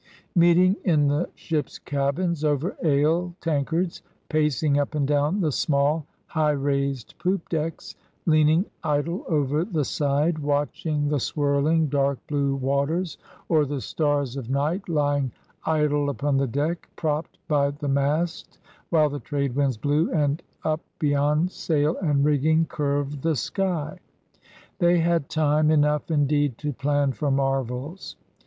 Meeting in the ships' cabins over ale tankards, pacing up and down the small high raised poop decks, leaning idle over the side, watch ing the swirling dark blue waters or the stars of night, lying idle upon the deck, propped by the mast while the trade winds blew and up beyond sail and rigging curved the sky — they had time enough indeed to plan for marvels!